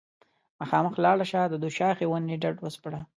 مخامخ لاړه شه د دوشاخې ونې ډډ وسپړه